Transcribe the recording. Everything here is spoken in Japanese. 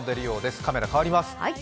カメラ変わります。